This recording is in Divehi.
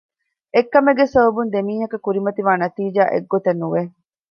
އެއް ކަމެއްގެ ސަބަބުން ދެ މީހަކަށް ކުރިމަތިވާ ނަތީޖާ އެއްގޮތެއް ނުވެ